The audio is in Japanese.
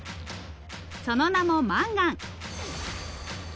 その名もマンガン。